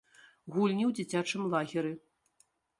Гульні ў дзіцячым лагеры.